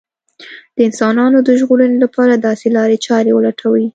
د انسانانو د ژغورنې لپاره داسې لارې چارې ولټوي